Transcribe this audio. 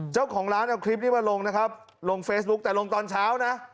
เจ้าของร้านเอาคลิปนี้มาลงนะครับลงเฟซบุ๊คแต่ลงตอนเช้านะ